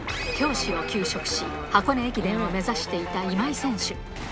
教師を休職し、箱根駅伝を目指していた今井選手。